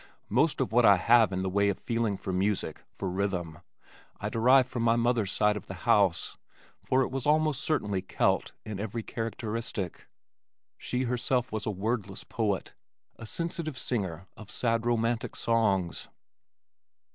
Most of what I have in the way of feeling for music, for rhythm, I derive from my mother's side of the house, for it was almost entirely Celt in every characteristic. She herself was a wordless poet, a sensitive singer of sad romantic songs.